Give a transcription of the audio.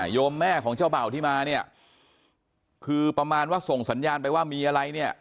โยมแม่ของเจ้าเบ่าที่มาเนี่ยคือประมาณว่าส่งสัญญาณไปว่ามีอะไรเนี่ย